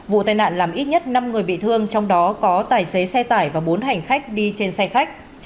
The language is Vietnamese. vụ tai nạn làm ít nhất năm người bị thương trong đó có tài xế xe tải và bốn hành khách đi trên xe khách